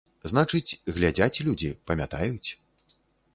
Значыць, глядзяць людзі, памятаюць.